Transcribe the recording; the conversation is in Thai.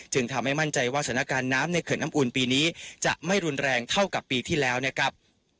ทำให้มั่นใจว่าสถานการณ์น้ำในเขื่อนน้ำอุ่นปีนี้จะไม่รุนแรงเท่ากับปีที่แล้วนะครับ